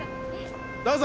どうぞ！